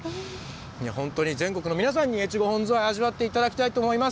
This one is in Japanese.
本当に全国の皆さんに越後本ズワイ、味わっていただきたいと思います。